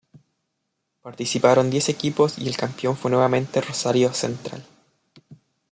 Participaron diez equipos y el campeón fue nuevamente Rosario Central.